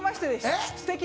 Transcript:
えっ？